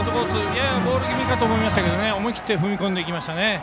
ややボール気味かと思いましたが思い切って踏み込みました。